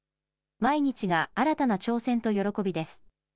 毎日が新たな挑戦と喜びです。